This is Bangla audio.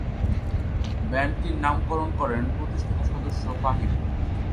ব্যান্ডটির নামকরণ করেন প্রতিষ্ঠাতা সদস্য ফাহিম।